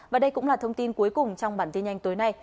và đây cũng là thông tin cuối cùng trong bản tin nhanh tối nay